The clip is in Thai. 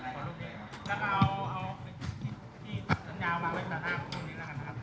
ขอขอบคุณหน่อยนะคะ